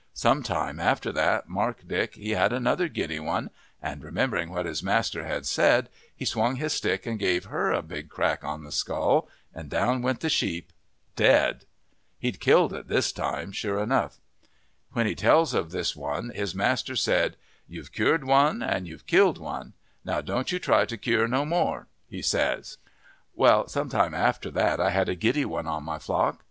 Some time after that Mark Dick he had another giddy one, and remembering what his master had said, he swung his stick and gave her a big crack on the skull, and down went the sheep, dead. He'd killed it this time, sure enough. When he tells of this one his master said, 'You've cured one and you've killed one; now don't you try to cure no more,' he says. "Well, some time after that I had a giddy one in my flock.